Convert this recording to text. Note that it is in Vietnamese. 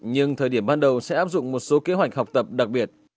nhưng thời điểm ban đầu sẽ áp dụng một số kế hoạch học tập đặc biệt